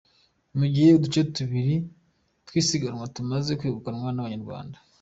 Mu gihe uduce tubiri twisiganwa tumaze kwegukanwa n’Abanyarwanda.